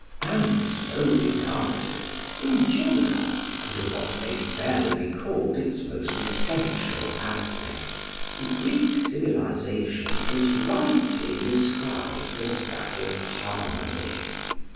And so regarded, in general, under what may fairly be called its most essential aspect, the Greek civilisation is rightly described as that of harmony.